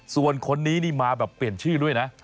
ส่วนคนนี้นี่มาแบบเปลี่ยนชื่อด้วยนะ